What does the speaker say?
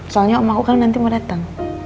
soalnya emak aku kan nanti mau datang